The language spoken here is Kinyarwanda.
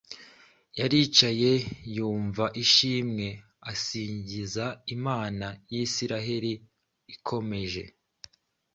Yaricaye, yumva yishimye, asingiza Imana, Isiraheli ikomeje.